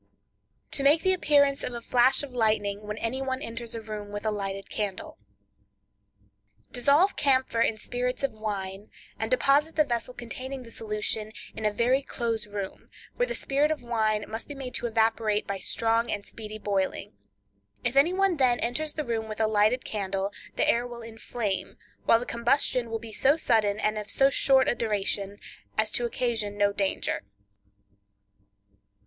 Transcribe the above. To Make the Appearance of a Flash of Lightning When Any One Enters a Room with a Lighted Candle.—Dissolve camphor in spirits of wine, and deposit the vessel containing the solution in a very close room, where the spirit of wine must be made to evaporate by strong and speedy boiling. If any one then enters the room with a lighted candle, the air will inflame, while the combustion will be so sudden, and of so short a duration, as to occasion no danger.